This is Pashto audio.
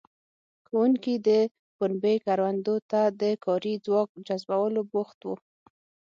ښوونکي د پنبې کروندو ته د کاري ځواک جذبولو بوخت وو.